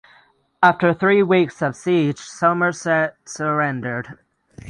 After three weeks of siege Somerset surrendered.